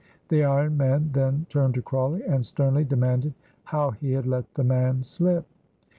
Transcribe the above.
The iron man then turned to Crawley, and sternly demanded how he had let the man slip.